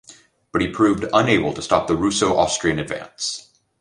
But he proved unable to stop the Russo-Austrian advance.